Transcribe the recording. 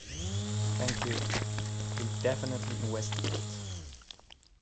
Thank you. Will definitely investigate.